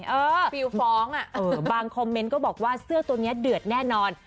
เออบางคอมเมนต์ก็บอกว่าเสื้อตัวนี้เดือดแน่นอน